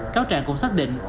cáo trạng cũng xác định